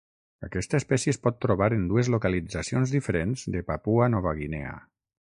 Aquesta espècie es pot trobar en dues localitzacions diferents de Papua Nova Guinea.